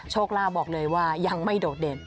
โชคลาภบอกเลยว่ายังไม่โดดเด่น